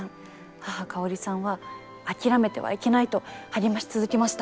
母香織さんは諦めてはいけないと励まし続けました。